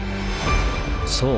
そう！